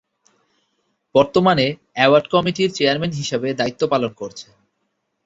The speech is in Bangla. বর্তমানে অ্যাওয়ার্ড কমিটির চেয়ারম্যান হিসাবে দায়িত্ব পালন করছেন।